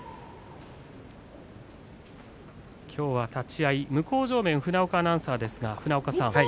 きょうは立ち合い向正面船岡アナウンサーですが船岡さん